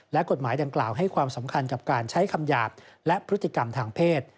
และกฎหมายดังกล่าวให้ความสำคัญกับการใช้คำหยาบและพฤติกรรมทางเพศ